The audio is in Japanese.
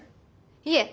いえ